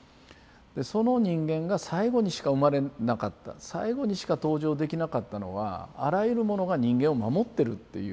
その人間が最後にしか生まれなかった最後にしか登場できなかったのはあらゆるものが人間を守ってるっていう。